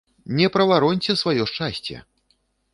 Не правароньце сваё шчасце!